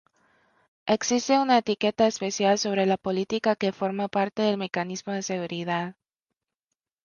Existe una etiqueta especial sobre la política que forma parte del mecanismo de seguridad.